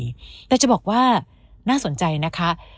แต่จะบอกว่าน่าสนใจนะคะ